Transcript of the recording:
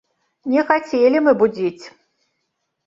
Не хацелі мы будзіць.